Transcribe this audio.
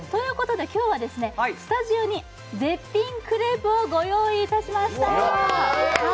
今日はスタジオに絶品クレープをご用意いたしました。